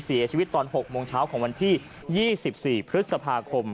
เสียชีวิตตอน๖โมงเช้าของวันที่๒๔พฤษภาคม